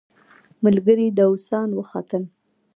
ملګري داووسان وختل.